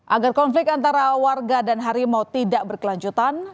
agar konflik antara warga dan harimau tidak berkelanjutan